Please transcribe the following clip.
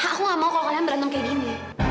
aku gak mau kalau kalian berantem kayak gini